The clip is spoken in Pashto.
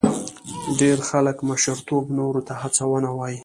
ډېر خلک مشرتوب نورو ته هڅونه وایي.